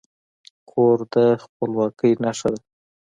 کور د خپلواکي نښه ده.